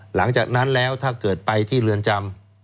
หลังจากนั้นแล้วถ้าเกิดไปที่เรือนจำ